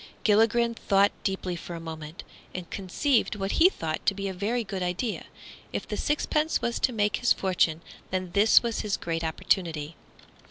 Gilligren thought deeply for a moment, and conceived what he thought to be a very good idea. If the sixpence was to make his fortune, then this was his great opportunity.